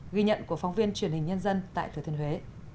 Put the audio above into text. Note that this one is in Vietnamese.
ghi nhận của phóng viên truyền hình nhân dân tại thừa thiên huế